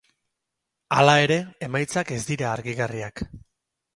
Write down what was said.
Hala ere, emaitzak ez dira argigarriak.